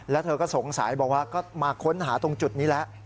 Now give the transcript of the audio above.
แล้วเธอก็สงสัยบอกว่าก็มาค้นหาตรงจุดนี้แล้ว